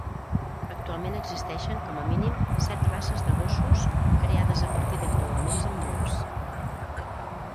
Actualment existeixen com a mínim set races de gossos creades a partir d'encreuaments amb llops.